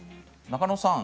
中野さん